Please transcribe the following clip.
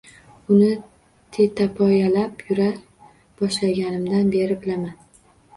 Buni tetapoyalab yura boshlaganimdan beri bilaman